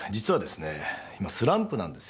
今スランプなんですよ。